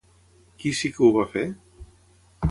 Qui sí que ho va fer?